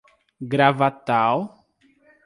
Gravatal